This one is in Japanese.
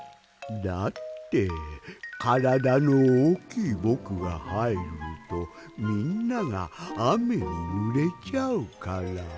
だってからだのおおきいぼくがはいるとみんながあめにぬれちゃうから。